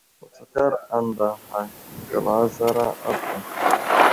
Wutskar anday hay kəlazara a bəra.